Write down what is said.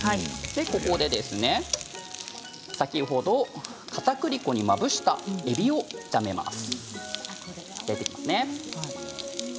ここで先ほどかたくり粉をまぶしたえびを炒めます。